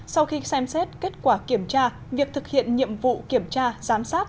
sau khi xem xét kết quả kiểm tra việc thực hiện nhiệm vụ kiểm tra giám sát